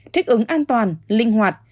thích ứng an toàn linh hoạt